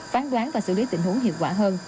phán đoán và xử lý tình huống hiệu quả hơn